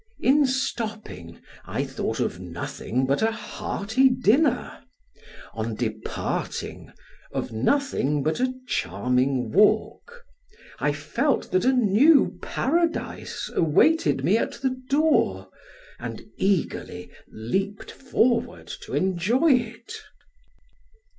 In stopping, I thought of nothing but a hearty dinner; on departing, of nothing but a charming walk; I felt that a new paradise awaited me at the door, and eagerly leaped forward to enjoy it.